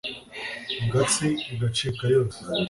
gatsi igacika yose